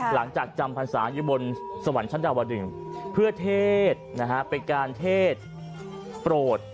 หลังจากจำพรรษาอยู่บนสวรรค์ชั้นตะวดึงเพื่อเทศนะฮะเป็นการเทศโปรด